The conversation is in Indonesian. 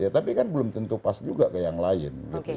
tapi kan belum tentu pas juga ke yang lain